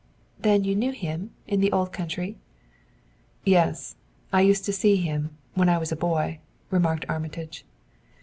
"Then you knew him, in the old country?" "Yes; I used to see him when I was a boy," remarked Armitage.